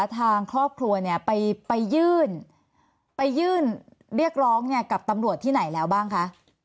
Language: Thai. ทางครอบครัวเนี่ยไปยื่นเรียกร้องกับตำรวจที่ไหนแล้วบ้างคะ